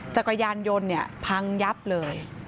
จักรยานยนต์พังยับเลย